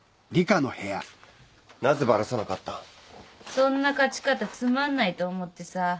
そんな勝ち方つまんないと思ってさ。